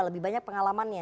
lebih banyak pengalamannya